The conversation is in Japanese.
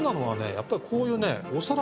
やっぱりこういうね。